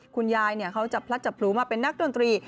คุณยายเขาจะพลัดจับพลูมาเป็นนักดนตรี